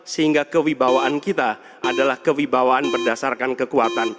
sehingga kewibawaan kita adalah kewibawaan berdasarkan kekuatan